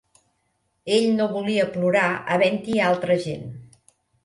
Ell no volia plorar havent-hi altra gent.